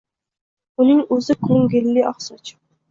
Uning o‘zi ko‘ngilli oqsoch: